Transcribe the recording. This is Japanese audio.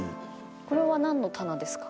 これは何の棚ですか？